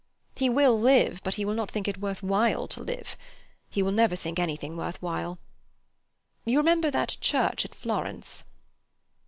He will live; but he will not think it worth while to live. He will never think anything worth while. You remember that church at Florence?"